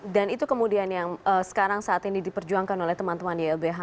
dan itu kemudian yang sekarang saat ini diperjuangkan oleh teman teman ylbh